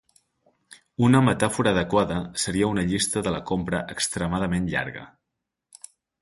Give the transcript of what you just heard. Una metàfora adequada seria una llista de la compra extremadament llarga.